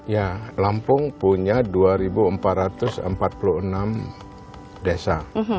ya lampung punya dua empat ratus empat puluh enam desa